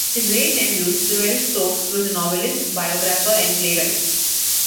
His great nephew, Sewell Stokes, was a novelist, biographer and playwright.